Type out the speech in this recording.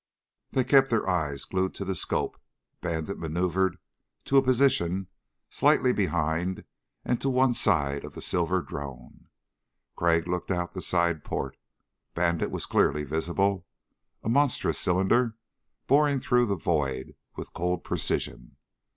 They kept their eyes glued to the scope. Bandit maneuvered to a position slightly behind and to one side of the silver drone. Crag looked out the side port. Bandit was clearly visible, a monstrous cylinder boring through the void with cold precision.